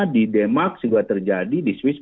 di demak juga terjadi di swiss